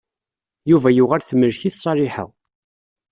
Yuba yuɣal temmlek-it Ṣaliḥa.